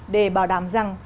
để bảo đảm rằng